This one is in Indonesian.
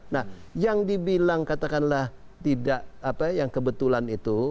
nah yang dibilang katakanlah tidak apa yang kebetulan itu